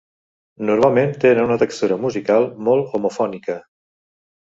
Normalment tenen una textura musical molt homofònica.